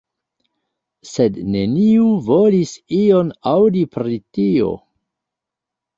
Sed neniu volis ion aŭdi pri tio.